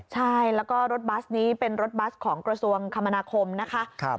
ใช่แล้วก็รถบัสนี้เป็นรถบัสของกระทรวงคมนาคมนะคะ